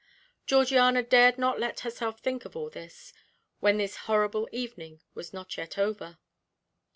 Georgiana dared not let herself think of all this, when this horrible evening was not yet over.